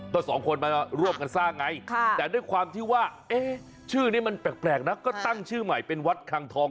ก็สองคนมาร่วมกันสร้างไงแต่ด้วยความที่ว่าชื่อนี้มันแปลกนะก็ตั้งชื่อใหม่เป็นวัดคลังทอง